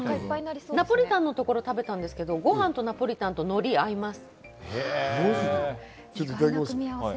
ナポリタンのとこ食べたんですけど、ご飯とナポリタンと海苔、合います。